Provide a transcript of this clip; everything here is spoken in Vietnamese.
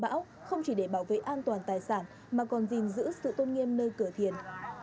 bão không chỉ để bảo vệ an toàn tài sản mà còn gìn giữ sự tôn nghiêm nơi cửa thiền